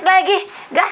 kalau dia mati kan